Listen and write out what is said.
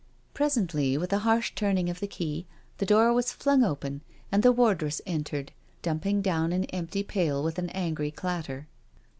Presently, with a harsh turning of the key, the door was flung open, and the wardress entered, dumping down an empty pail with an angry clatter.